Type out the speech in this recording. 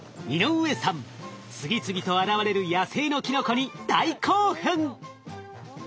次々と現れる野生のキノコに大興奮！